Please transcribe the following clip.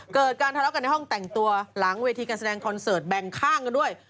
เกิดการทะเลาะกันในห้องแต่งตัวหลังเวทีการแสดงคอนเสิร์ตแบ่งข้างกันด้วย